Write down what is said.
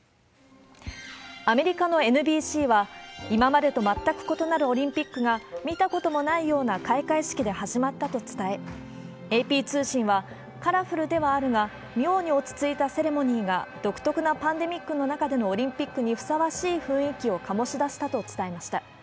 アメリカのＮＢＣは、今までと全く異なるオリンピックが、見たこともないような開会式で始まったと伝え、ＡＰ通信は、カラフルではあるが、妙に落ち着いたセレモニーが、独特なパンデミックの中でのオリンピックにふさわしい雰囲気をかもしだしたと伝えました。